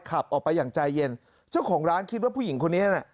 ขับออกไปอย่างใจเย็นเจ้าของร้านคิดว่าผู้หญิงคนนี้น่ะ